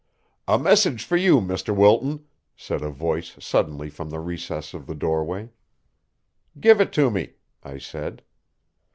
"A message for you, Mr. Wilton," said a voice suddenly from the recess of the doorway. "Give it to me," I said.